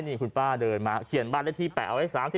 นี่คุณป้าเดินมาเขียนบ้านได้ที่แป๋วไว้